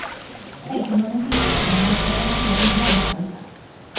É Pione Sisto, a quen Óscar García mudou a cabeza.